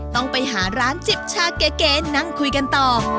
ต้องไปหาร้านจิบชาเก๋นั่งคุยกันต่อ